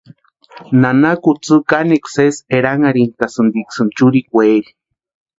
Nana kutsï kanekwa sésï eranharhitasïntiksïni churekweeri.